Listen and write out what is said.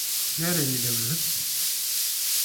Nereye gidebilirim?